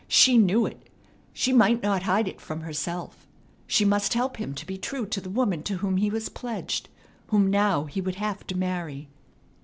She knew it; she might not hide it from herself. She must help him to be true to the woman to whom he was pledged, whom now he would have to marry.